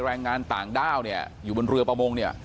แรงงานต่างด้าวเนี่ยอยู่บนเรือประมงเนี่ย